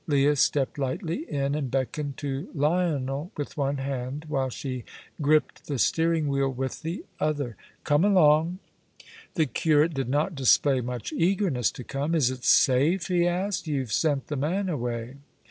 Leah stepped lightly in, and beckoned to Lionel with one hand, while she gripped the steering wheel with the other. "Come along." The curate did not display much eagerness to come. "Is it safe?" he asked; "you've sent the man away."